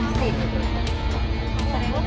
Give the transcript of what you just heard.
ใช่ค่ะ